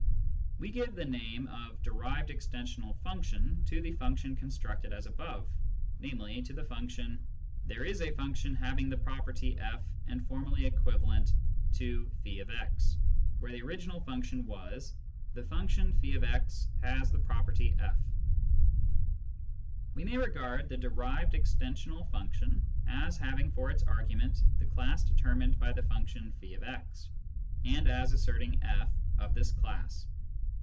We give the name of " derived extensional function " to the function constructed as above, namely, to the function :" There is a function having the property / and formally equivalent to <}>x" where the original function was " the function <f>x has the property /." We may regard the derived extensional function as having for its argument the class determined by the function <f>x, and as asserting/ of this class.